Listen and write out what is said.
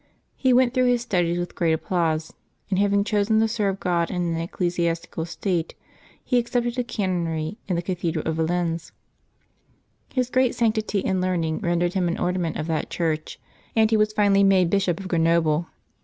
He went through his studies w^ith great applause, and having chosen to serve God in an ecclesiastical state, he accepted a canonry in the cathedral of Valence. His great sanctity and learn ing rendered him an ornament of that church, and he was finally made Bishop of Grenoble.